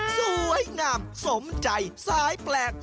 สวยงามสมใจสายแปลก